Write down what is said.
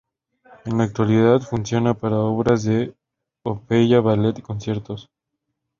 En la actualidad funciona para obras de ópera, ballet y conciertos.